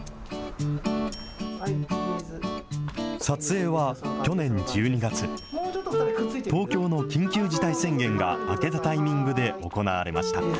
撮影は去年１２月、東京の緊急事態宣言が明けたタイミングで行われました。